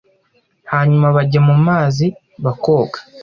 Hanyuma bajya mu mazi bakoga